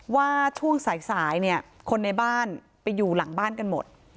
ว่าช่วงสายเนี่ยคนในบ้านไปอยู่หลังบ้านกันหมด